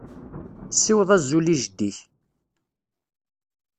Ssiweḍ azul i jeddi-k.